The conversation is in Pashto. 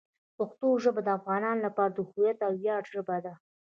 پښتو ژبه د افغانانو لپاره د هویت او ویاړ ژبه ده.